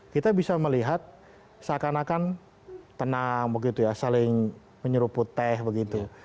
kita bisa melihat seakan akan tenang begitu ya saling menyeruput teh begitu